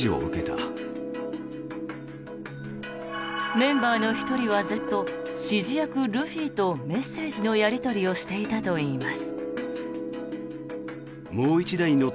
メンバーの１人はずっと指示役、ルフィとメッセージのやり取りをしていたといいます。